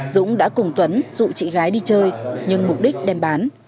dũng đã cùng tuấn rủ chị gái đi chơi nhưng mục đích đem bán